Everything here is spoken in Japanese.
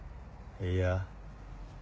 いや。